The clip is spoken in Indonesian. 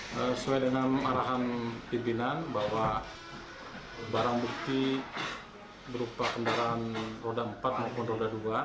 sesuai dengan arahan pimpinan bahwa barang bukti berupa kendaraan roda empat maupun roda dua